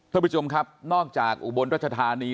ท่านผู้ชมครับนอกจากอุบลรัชธานี